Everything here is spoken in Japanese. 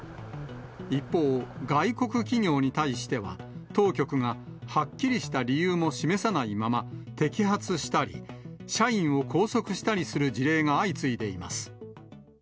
一方、外国企業に対しては、当局がはっきりした理由も示さないまま、摘発したり、社員を拘束したりする事例が相次いでいます。